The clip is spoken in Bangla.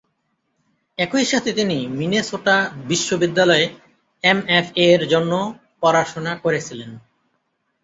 একই সাথে তিনি মিনেসোটা বিশ্ববিদ্যালয়ে এমএফএ-এর জন্য পড়াশোনা করেছিলেন।